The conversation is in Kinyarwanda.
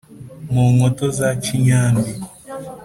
mu nkoto za kinyambi